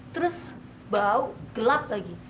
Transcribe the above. terus bau gelap lagi